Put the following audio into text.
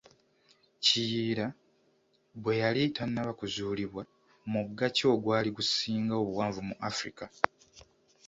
"Kiyira bwe yali tannaba kuzuulibwa, mugga ki ogwali gusinga obuwanvu mu Afrika?"